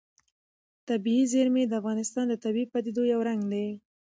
طبیعي زیرمې د افغانستان د طبیعي پدیدو یو رنګ دی.